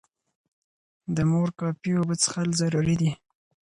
د مور کافي اوبه څښل ضروري دي.